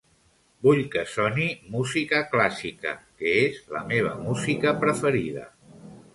Vull que soni música clàssica, que és la meva música preferida.